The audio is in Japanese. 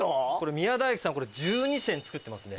宮大工さんこれ１２線作ってますね。